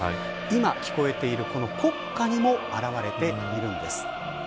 今聞こえている国歌にも表れているんです。